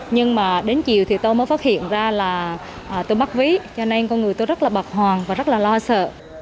nhưng mà đến chiều thì tôi mới phát hiện ra là tôi bắt ví cho nên con người tôi rất là bật hoàng và rất là lo sợ